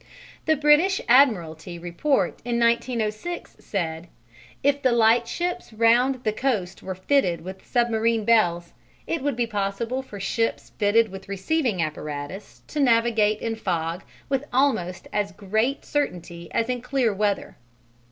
The British Admiralty report in 1906 said: "If the lightships round the coast were fitted with submarine bells, it would be possible for ships fitted with receiving apparatus to navigate in fog with almost as great certainty as in clear weather."